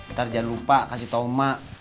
ntar jangan lupa kasih tau mak